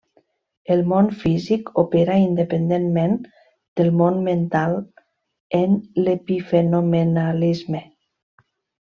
El món físic opera independentment del món mental en l'epifenomenalisme.